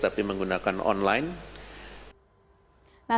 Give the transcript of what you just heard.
tapi menggunakan online